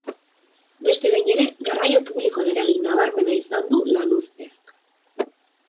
Beste behin ere, garraio publikoan eragin nabarmena izan du lanuzteak.